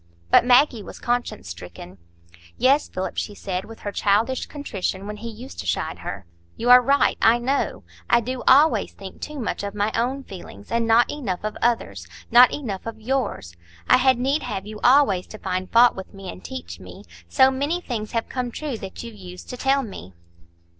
But Maggie was conscience stricken. "Yes, Philip," she said, with her childish contrition when he used to chide her, "you are right, I know. I do always think too much of my own feelings, and not enough of others',—not enough of yours. I had need have you always to find fault with me and teach me; so many things have come true that you used to tell me."